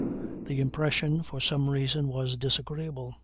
The impression for some reason was disagreeable.